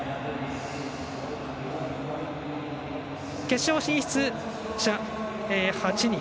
決勝進出者、８人。